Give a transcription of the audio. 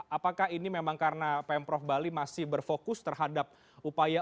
apakah ini memang karena pemprov bali masih berfokus terhadap upaya